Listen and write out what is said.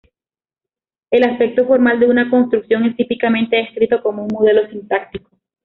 El aspecto formal de una construcción es típicamente descrito como un modelo sintáctico.